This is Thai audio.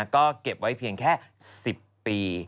ก็เก็บไว้เพียงแค่๑๐ปี